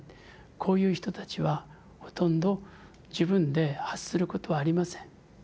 こういう人たちはほとんど自分で発することはありません。